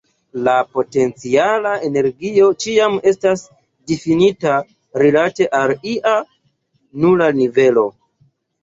La potenciala energio ĉiam estas difinita rilate al ia nula nivelo.